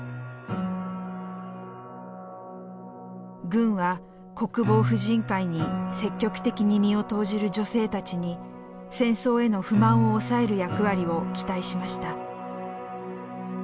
軍は国防婦人会に積極的に身を投じる女性たちに戦争への不満を抑える役割を期待しました。